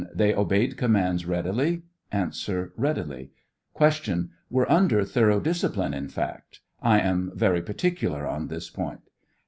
They obeyed commands readily ? A. Eeadily. Q. Were under thorough discipline, in fact; I am very particular on this point